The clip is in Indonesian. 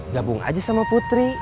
gabung aja sama putri